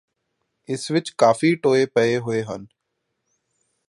ਇਸ ਵਿੱਚ ਕਾਫੀ ਟੋਏ ਪਏ ਹੋਏ ਹਨ